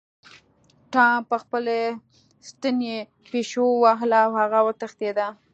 ټام په خپلې ستنې پیشو ووهله او هغه وتښتیده.